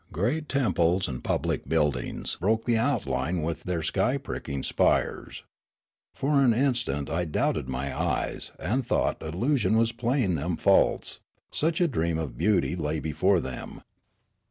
Great temples and public buildings broke the outline with their sky pricking spires. For an instant I doubted my eyes and thought illusion was playing them false, such a dream of beauty lay before them.